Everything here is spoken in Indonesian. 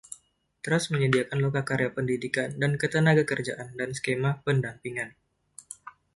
Trust menyediakan lokakarya pendidikan dan ketenagakerjaan dan skema pendampingan.